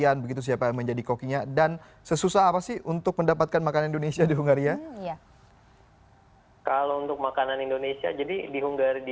apa lanjut truths verschied snn anda dengan santankal ariel ikupa parentsilling ketika khusus memperkenalkan di indonesia ada masjid indonesia apa yang kalian alami pada